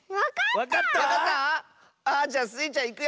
わかった⁉あっじゃあスイちゃんいくよ。